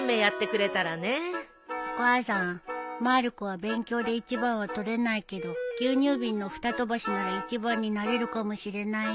お母さんまる子は勉強で１番は取れないけど牛乳瓶のふた飛ばしなら１番になれるかもしれないよ。